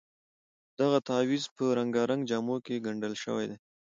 دغه تعویض په رنګارنګ جامو کې ګنډل شوی دی.